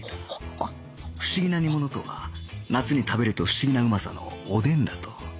不思議な煮物とは夏に食べると不思議なうまさのおでんだと